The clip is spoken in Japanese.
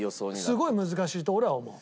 すごい難しいと俺は思う。